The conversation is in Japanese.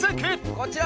こちら。